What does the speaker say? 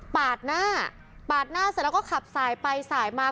หน้าปาดหน้าเสร็จแล้วก็ขับสายไปสายมา